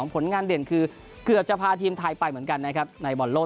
ผลงานเด่นคือเกือบจะพาทีมไทยไปเหมือนกันนะครับในบอลโลก